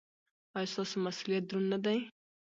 ایا ستاسو مسؤلیت دروند نه دی؟